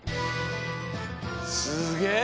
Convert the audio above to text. すげえ！